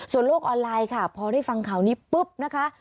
โลกออนไลน์ค่ะพอได้ฟังข่าวนี้ปุ๊บนะคะ